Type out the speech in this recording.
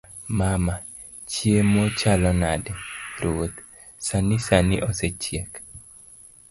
mama; chiemo chalo nade? ruoth; sani sani osechiek